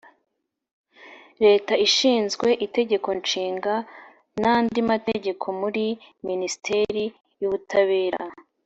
leta ishinzwe itegeko nshinga n andi mategeko muri minisiteri y ubutabera